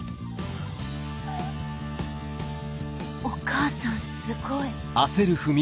お母さんすごい。